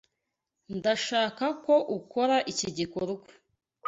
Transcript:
Ndashaka ko ukora iki gikorwa.